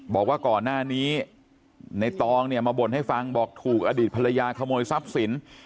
บอกว่าก่อนหน้านี้ในตองเนี่ยมาบ่นให้ฟังบอกถูกอดีตภรรยาขโมยทรัพย์สิน